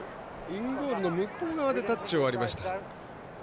インゴールの向こう側でタッチを割りました。